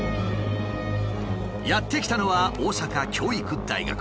やって来たのは大阪教育大学。